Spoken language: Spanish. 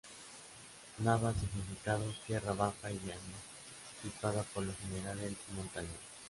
Navas significado Tierra baja y llana situada por lo general entre montañas.